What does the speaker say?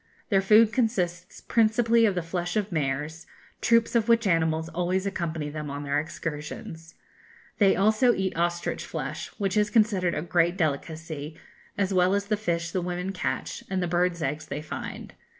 Their food consists principally of the flesh of mares, troops of which animals always accompany them on their excursions. They also eat ostrich flesh, which is considered a great delicacy, as well as the fish the women catch, and the birds' eggs they find.